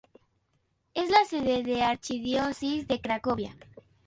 Es la sede de la archidiócesis de Cracovia.